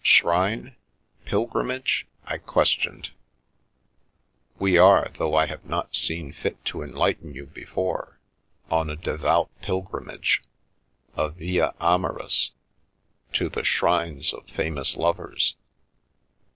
" Shrine ? Pilgrimage ?" I questioned. " We are, though I have not seen fit to enlighten you before, on a devout pilgrimage, a via amoris, to the shrines of famous lovers.